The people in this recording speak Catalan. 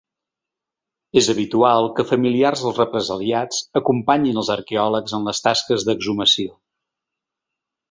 És habitual que familiars dels represaliats acompanyin els arqueòlegs en les taques d’exhumació.